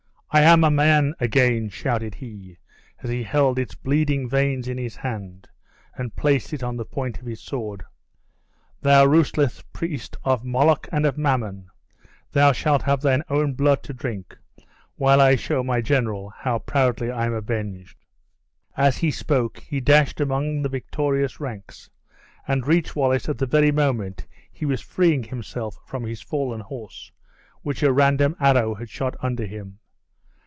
"I am a man again!" shouted he, as he held its bleeding veins in his hand, and placed it on the point of his sword. "Thou ruthless priest of Moloch and of Mammon, thou shalt have thine own blood to drink, while I show my general how proudly I am avenged!" As he spoke, he dashed amongst the victorious ranks, and reached Wallace at the very moment he was freeing himself from his fallen horse, which a random arrow had shot under him.